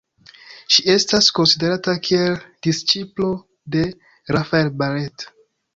Ŝi estas konsiderata kiel disĉiplo de Rafael Barrett.